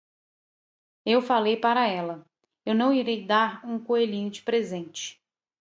Eu falei para ela, eu não irei dar um coelhinho de presente.